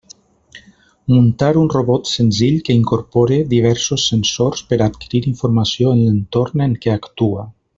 Muntar un robot senzill que incorpore diversos sensors per a adquirir informació en l'entorn en què actua.